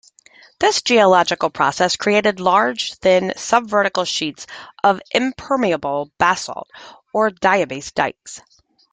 This geological process created large, thin, subvertical sheets of impermeable basalt, or diabase dikes.